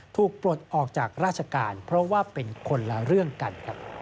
ปลดออกจากราชการเพราะว่าเป็นคนละเรื่องกัน